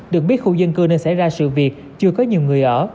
được biết khu dân cư nơi xảy ra sự việc chưa có nhiều người ở